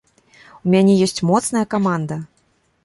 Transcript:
У мяне ёсць моцная каманда.